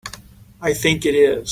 I think it is.